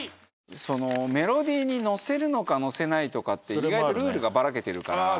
そのメロディーに乗せるか乗せないとかって意外とルールがばらけてるから。